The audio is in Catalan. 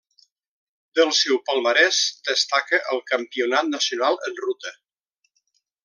Del seu palmarès destaca el campionat nacional en ruta.